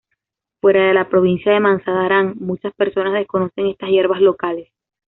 Fuera de la provincia de Mazandarán, muchas personas desconocen estas hierbas locales.